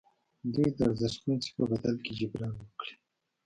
دوی د ارزښتمن شي په بدل کې جبران وکړي.